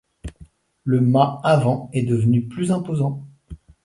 Le mât avant est devenu plus imposant.